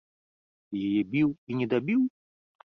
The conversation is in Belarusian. Ты яе біў і недабіў?